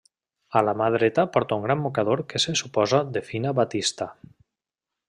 A la mà dreta porta un gran mocador que se suposa de fina batista.